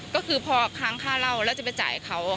ก็คือพอค้างค่าเหล้าแล้วจะไปจ่ายเขา